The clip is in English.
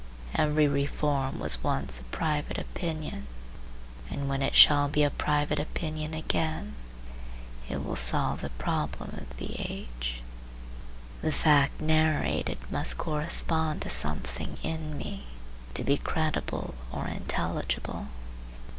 Every reform was once a private opinion, and when it shall be a private opinion again it will solve the problem of the age. The fact narrated must correspond to something in me to be credible or intelligible.